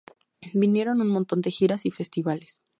Vinieron un montón de giras y festivales.